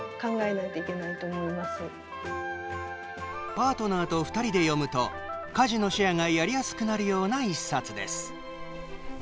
パートナーと２人で読むと家事のシェアがやりやすくなるような１冊です。